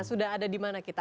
sudah ada dimana kita